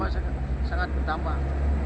iya sangat berdampak